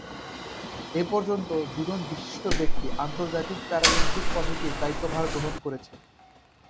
এ পর্যন্ত দুজন বিশিষ্ট ব্যক্তি আন্তর্জাতিক প্যারালিম্পিক কমিটির দায়িত্বভার গ্রহণ করেছেন।